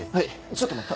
ちょっと待って。